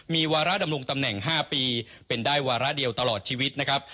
มีวาระดำรงตำแหน่ง๕ปีเป็นได้วาระเดียวตลอดชีวิตนะครับ